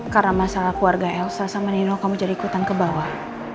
karena masalah keluarga elsa sama nino kamu jadi ikutan ke bawah